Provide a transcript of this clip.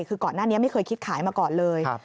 คือก่อนหน้านี้ไม่เคยคิดขายมาก่อนเลย